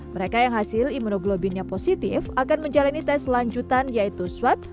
mereka yang hasil imunoglobinnya positif akan menjalani tes lanjutan yaitu swab